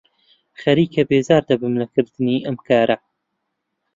خەریکە بێزار دەبم لە کردنی ئەم کارە.